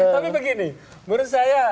tapi begini menurut saya